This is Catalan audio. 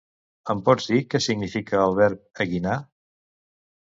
Em pots dir que significa el verb "eguinar"